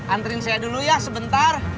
antrin saya dulu ya sebentar